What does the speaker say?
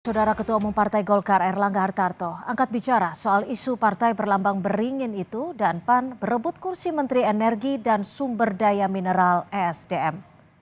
saudara ketua umum partai golkar erlangga hartarto angkat bicara soal isu partai berlambang beringin itu dan pan berebut kursi menteri energi dan sumber daya mineral esdm